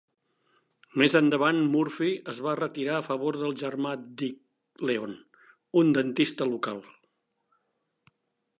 Més endavant Murphy es va retirar a favor del germà d'Ike, Leon, un dentista local.